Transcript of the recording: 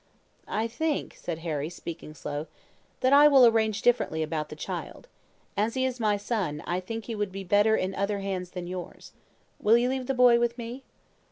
"'I think,' said Harry, speaking slow, 'that I will arrange differently about the child. As he is my son, I think he would be better in other hands than yours. Will you leave the boy with me?'